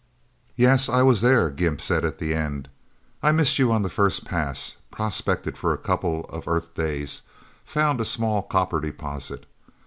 "Yes, I was there," Gimp said at the end. "I missed you on the first pass, prospected for a couple of Earth days, found a small copper deposit.